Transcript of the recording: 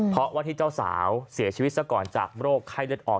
เพราะว่าที่เจ้าสาวเสียชีวิตซะก่อนจากโรคไข้เลือดออก